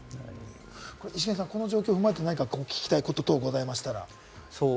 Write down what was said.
イシケンさん、この状況を踏まえて聞きたいことがございましたら。